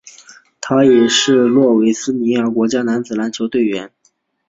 他也是斯洛维尼亚国家男子篮球队的一员。